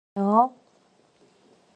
귀엽네요.